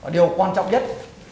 điều quan trọng nhất